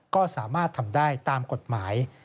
ก็สามารถทำได้ตามกฎหมาย